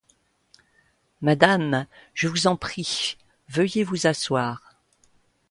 Madame, je vous en prie, veuillez vous asseoir.